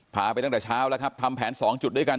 ไปตั้งแต่เช้าแล้วครับทำแผน๒จุดด้วยกัน